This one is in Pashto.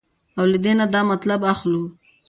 او له دې نه دا مطلب اخلو